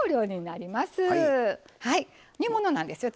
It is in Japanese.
煮物なんですよ